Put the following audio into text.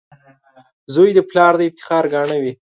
• زوی د پلار د افتخار ګاڼه وي.